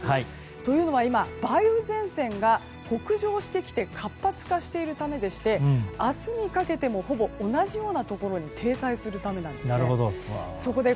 というのは今梅雨前線が北上してきて活発化しているためでして明日にかけてもほぼ同じようなところに停滞するためなんです。